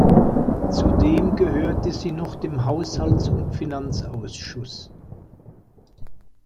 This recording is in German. Zudem gehörte sie noch dem Haushalts- und Finanzausschuss.